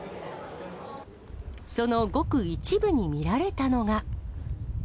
そのごく一部に見られたのが。